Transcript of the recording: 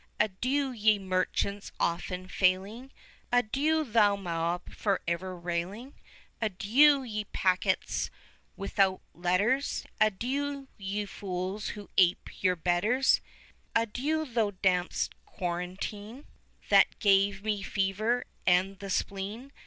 Adieu, ye merchants often failing! Adieu, thou mob for ever railing! Adieu, ye packets without letters! Adieu, ye fools who ape your betters! 10 Adieu, thou damned'st quarantine, That gave me fever, and the spleen!